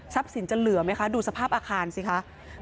สินจะเหลือไหมคะดูสภาพอาคารสิคะ